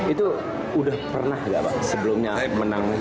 itu udah pernah gak pak sebelumnya menang